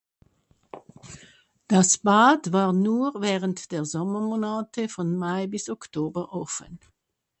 Das Bad war nur während der Sommermonate von Mai bis Oktober offen.